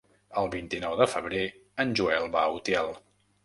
El vint-i-nou de febrer en Joel va a Utiel.